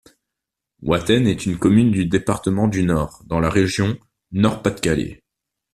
Watten est une commune du département du Nord, dans la région Nord-Pas-de-Calais.